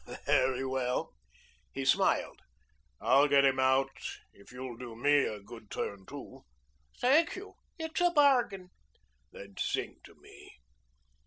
"Very well," he smiled. "I'll get him out if you'll do me a good turn too." "Thank you. It's a bargain." "Then sing to me."